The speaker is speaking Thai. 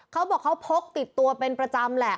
เขาบอกเขาพกติดตัวเป็นประจำแหละ